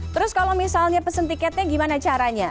terus kalau misalnya pesen tiketnya gimana caranya